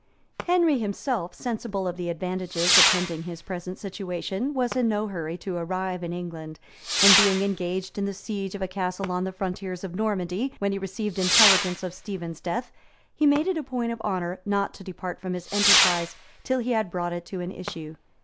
Henry himself, sensible of the advantages attending his present situation, was in no hurry to arrive in England; and being engaged in the siege of a castle on the frontiers of Normandy, when he received intelligence of Stephen's death, he made it a point of honor not to depart from his enterprise till he had brought it to an issue.